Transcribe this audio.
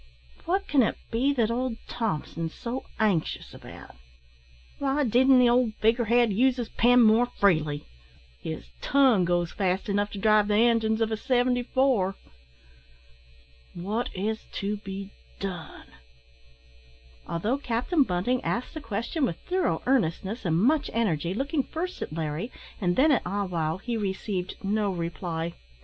What can it be that old Thompson's so anxious about? Why didn't the old figur' head use his pen more freely his tongue goes fast enough to drive the engines of a seventy four. What is to be done?" Although Captain Bunting asked the question with thorough earnestness and much energy, looking first at Larry and then at Ah wow, he received no reply.